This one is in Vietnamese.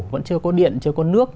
vẫn chưa có điện chưa có nước